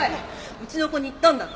うちの子に言ったんだろ？